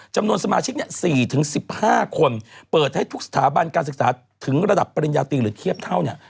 จำนวนสมาชิก๔๑๕คนเปิดให้ทุกสถาบันการศึกษาถึงระดับปริญญาตรีหรือเทียบเท่าเนี่ย